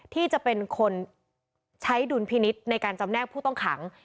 ที่จะเป็นคนใช้ดุลพินิษฐ์ในการจำแนกผู้ต้องขัง